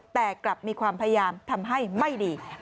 แต่กลับมีความพยายามทำให้ไม่ดี